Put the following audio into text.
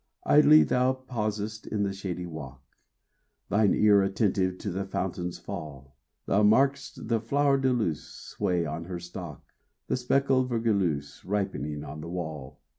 Idly thou pausest in the shady walk, Thine ear attentive to the fountain's fall: Thou mark'st the flower de luce sway on her stalk, The speckled vergalieus ripening on the wall.